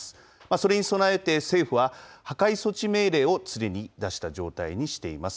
それに備えて政府は、破壊措置命令を常に出した状態にしています。